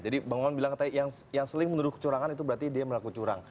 jadi bang mohamad bilang yang seling menuduh kecurangan itu berarti dia melakukan curang